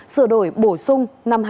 sửa đổi bổ sung năm hai nghìn